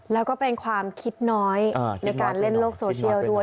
แล้วก็เป็นความคิดน้อยในการเล่นโลกโซเชียลด้วย